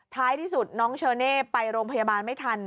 ท้ายที่สุดน้องเชอเน่ไปโรงพยาบาลไม่ทัน